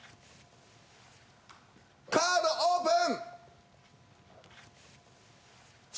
カードオープン！